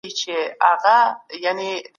دا کور ډېر لوی دی